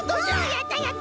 やったやった！